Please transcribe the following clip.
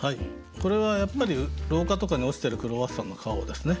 これはやっぱり廊下とかに落ちてるクロワッサンの皮をですね